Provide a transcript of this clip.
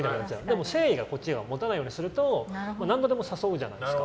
でも誠意を持たないようにすると何度でも誘うじゃないですか。